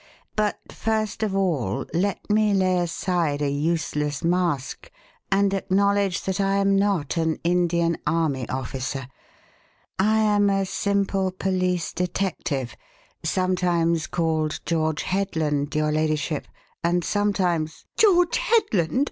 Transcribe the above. "But first of all let me lay aside a useless mask and acknowledge that I am not an Indian army officer I am a simple police detective sometimes called George Headland, your ladyship, and sometimes " "George Headland!"